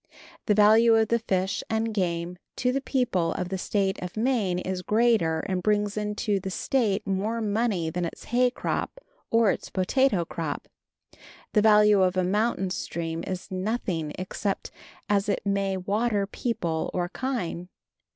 The value of the fish and game to the people of the State of Maine is greater and brings into the State more money than its hay crop or its potato crop. The value of a mountain stream is nothing except as it may water people or kine.